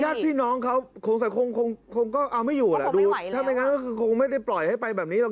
ญาติพี่น้องเขาสงสัยคงคงก็เอาไม่อยู่แหละดูถ้าไม่งั้นก็คือคงไม่ได้ปล่อยให้ไปแบบนี้หรอก